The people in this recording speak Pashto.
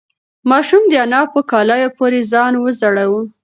ماشوم د انا په کالیو پورې ځان وځړاوه.